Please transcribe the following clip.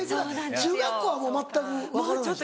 中学校はもう全く分からないでしょ。